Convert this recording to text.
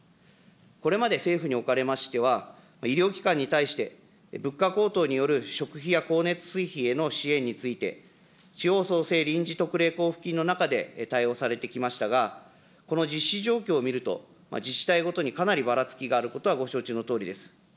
これまで政府におかれましては、医療機関に対して、物価高騰による食費や光熱水費への支援について、地方創生臨時特例交付金の中で対応されてきましたが、この実施状況を見ると、自治体ごとにかなりばらつきがあることは、ご承知のとおりです。